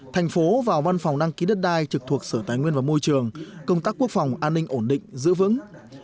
thành phố và văn phòng đăng ký đất đai trực thuộc sở tài nguyên và môi trường công tác quốc phòng an ninh ổn định giữ vững